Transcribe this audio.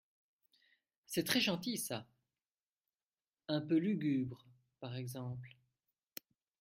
C’est très gentil ça !… un peu lugubre, par exemple…